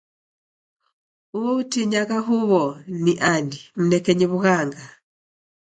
Uo utinyagha huw'o ni ani? Mnekenyi w'ughanga.